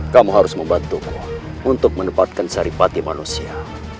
kamu harus membantuku untuk menempatkan saripati manusia